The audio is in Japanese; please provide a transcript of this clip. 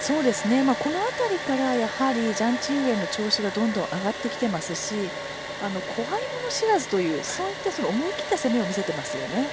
この辺りからやはりジャン・チンウェンの調子がどんどん上がってきていますし怖いもの知らずという思い切った攻めを見せていますよね。